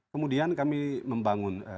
kemudian kami membangun